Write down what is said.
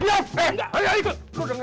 gue bilang jalan jalan